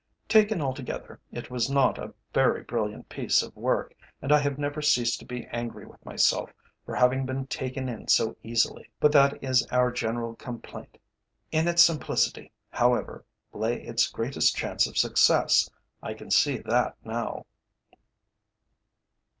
Taken altogether, it was not a very brilliant piece of work, and I have never ceased to be angry with myself for having been taken in so easily. But that is our general complaint. In its simplicity, however, lay its greatest chance of success. I can see that now."